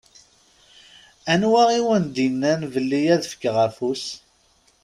Anwa i wen-d-innan belli ad wen-d-fkeɣ afus?